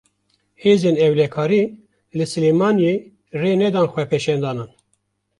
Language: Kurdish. Hêzên Ewlekarî, li Silêmaniyê rê nedan xwepêşandanan